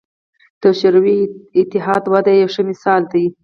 د شوروي اتحاد وده یې یو ښه مثال دی.